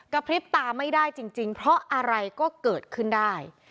พริบตาไม่ได้จริงเพราะอะไรก็เกิดขึ้นได้